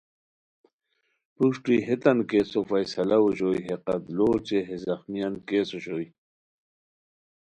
پروشٹی ہیتان کیسو فیصلہ اوشوئے ہے قتلو اوچے ہے زخمیان کیس اوشوئے